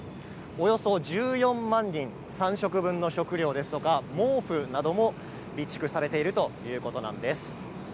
およそ１４万人三食分の食糧ですとか毛布なども備蓄されているいうことなんです。